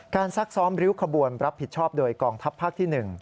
ซักซ้อมริ้วขบวนรับผิดชอบโดยกองทัพภาคที่๑